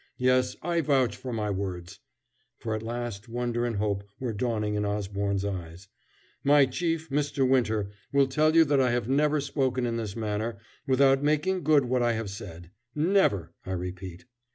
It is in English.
Yes, I vouch for my words " for at last wonder and hope were dawning in Osborne's eyes "my chief, Mr. Winter, will tell you that I have never spoken in this manner without making good what I have said never, I repeat.